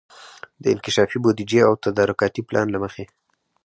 د انکشافي بودیجې او تدارکاتي پلان له مخي